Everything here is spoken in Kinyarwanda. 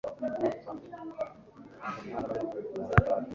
byatumye menya abantu cyane